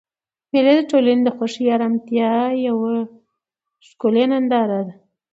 مېلې د ټولنې د خوښۍ او ارامتیا یوه ښکلیه ننداره ده.